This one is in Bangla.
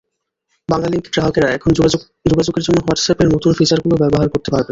বাংলালিংক গ্রাহকেরা এখন যোগাযোগের জন্য হোয়াটসঅ্যাপের নতুন ফিচারগুলো ব্যবহার করতে পারবেন।